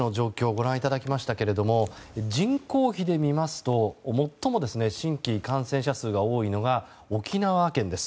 ご覧いただきましたけれども人口比で見ますと最も新規感染者数が多いのが沖縄県です。